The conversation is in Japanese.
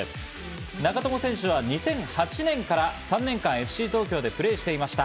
長友選手は２００８年から３年間、ＦＣ東京でプレーしていました。